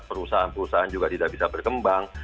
perusahaan perusahaan juga tidak bisa berkembang